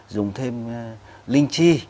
dùng thêm linh chi